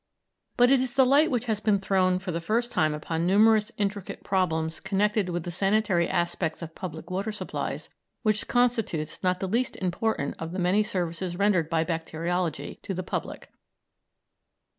But it is the light which has been thrown for the first time upon numerous intricate problems connected with the sanitary aspects of public water supplies which constitutes not the least important of the many services rendered by bacteriology to the public.